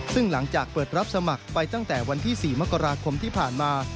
ซึ่งหลังจากเปิดรับสมัครไปตั้งแต่วันที่๔มกราคมที่ผ่านมา